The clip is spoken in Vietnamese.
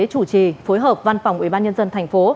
chủ trì phối hợp văn phòng ubnd tp